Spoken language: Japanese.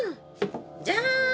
じゃん！